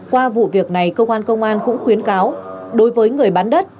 qua vụ việc này cơ quan công an cũng khuyến cáo đối với người bán đất